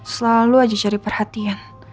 selalu aja cari perhatian